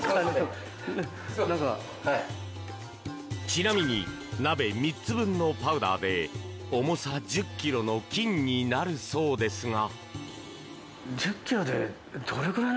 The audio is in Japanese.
ちなみに鍋３つ分のパウダーで重さ１０ｋｇの金になるそうですが。